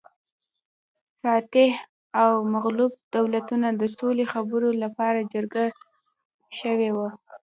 فاتح او مغلوب دولتونه د سولې خبرو لپاره جرګه شوي وو